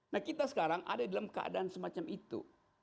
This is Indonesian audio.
nah kita sekarang ada dalam keadaan semacam itu